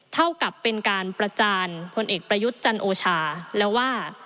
เท่ากับเป็นการประจานพลเอกประยุทธ์จันโอชาแล้วว่า